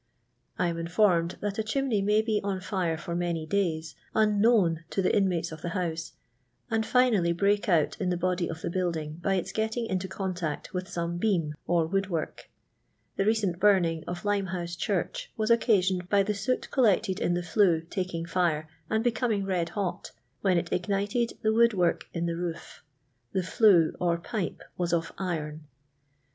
I am informed Ui».t a chimney may W on fire for laiuiT <i'i3'yi* uiikiiDWD ta the inmates of the faonse, and finally htmk otit in the body of the building bj iti g<!ttiDg ID to ctiDtact with lome beam or wtjod work. The rtcent burning of Limehoiije Ohurch ii'tt* occaiioned hy the loot colkcted m the flue taking fire^ and becommg red hot, when it igiiit<?d the wood' work in thv rt^if. The flue, or pipp, wiutif iron.